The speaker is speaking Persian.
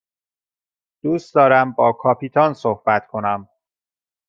دوست دارم با کاپیتان صحبت کنم.